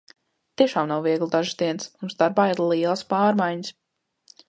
Tiešām nav viegli dažas dienas. Mums darbā ir lielas pārmaiņas.